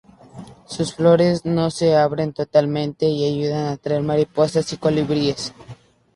Sus flores no se abren totalmente y ayudan a atraer mariposas y colibríes.